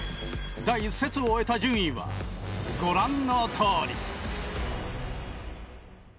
第１節を終えた順位はご覧のとおり。